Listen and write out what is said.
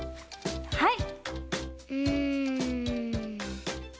はい。